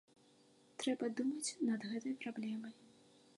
Трэба думаць над гэтай праблемай.